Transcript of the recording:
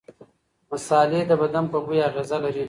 مصالحې د بدن په بوی اغېزه لري.